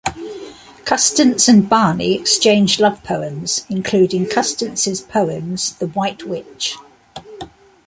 Custance and Barney exchanged love poems, including Custance's poems 'The White Witch'.